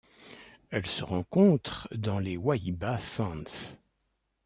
Elle se rencontre dans les Wahiba Sands.